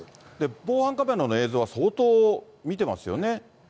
防犯カメラの映像は相当見てますよね。